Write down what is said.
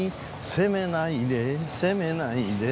「せめないでせめないで」